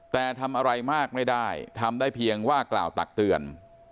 แต่ทำอะไรมากไม่ได้ทำได้เพียงว่ากล่าวตักเตือน